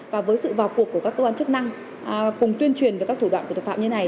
và với sự vào cuộc của các cơ quan chức năng cùng tuyên truyền về các thủ đoạn của tội phạm như này